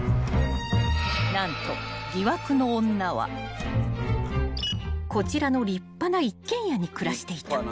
［何と疑惑の女はこちらの立派な一軒家に暮らしていた］